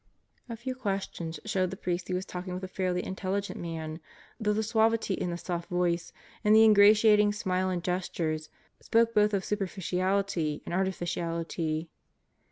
A few questions showed the priest he was talking with a fairly intelligent man, though the suavity in the soft voice and the ingratiating smile and gestures spoke both of superficiality and artificiality.